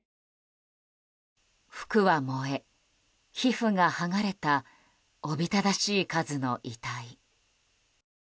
服は燃え、皮膚が剥がれたおびただしい数の遺体。